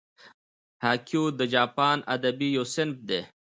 هایکو د جاپاني ادب یو صنف دئ.